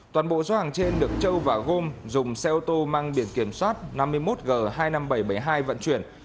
toàn bộ số hàng trên được châu và hôm dùng xe ô tô mang biển kiểm soát năm mươi một g hai mươi năm nghìn bảy trăm bảy mươi hai vận chuyển